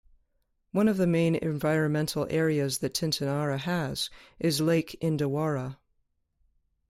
One of the main environmental areas that Tintinara has is Lake Indawarra.